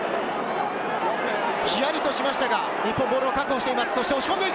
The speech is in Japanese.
ヒヤリとしましたが、日本、ボールを確保しています。